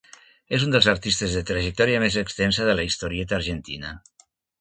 És un dels artistes de trajectòria més extensa de la historieta argentina.